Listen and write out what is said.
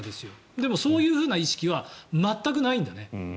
でもそういう意識は全くないんだね。